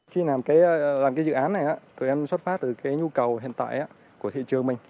khi làm cái làm cái dự án này tụi em xuất phát từ cái nhu cầu hiện tại của thị trường mình